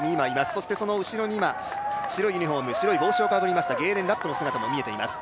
そしてその後ろに白いユニフォーム白い帽子をかぶったゲーレン・ラップの姿も見えています。